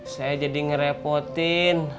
saya jadi ngerepotin